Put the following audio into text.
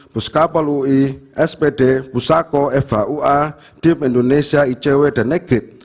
puskapal ui spd pusako fhua dip indonesia icw dan negri